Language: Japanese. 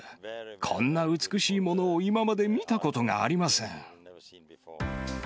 こんな美しいものを今まで見たことがありません。